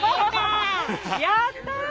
やったー！